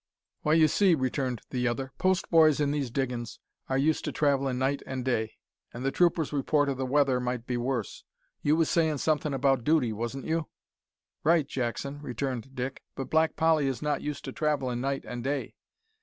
"Why, you see," returned the other, "post boys in these diggin's are used to travellin' night an' day. An' the troopers' report o' the weather might be worse. You was sayin' somethin' about duty, wasn't you?" "Right, Jackson," returned Dick, "but Black Polly is not used to travellin' night an' day.